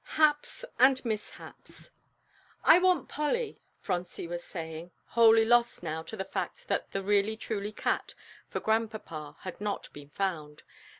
III HAPS AND MISHAPS "I want Polly," Phronsie was saying, wholly lost now to the fact that the "really truly cat" for Grandpapa had not been found.